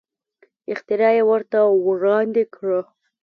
اختراع یې ورته وړاندې کړه.